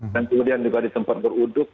dan kemudian juga di tempat beruduk